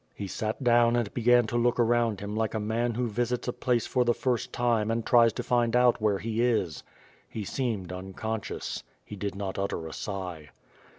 He sat down and began to look around hira like a man who visits a place for the first time and tries to find out where he is. He seemed unconscious. He did not utter a sigh.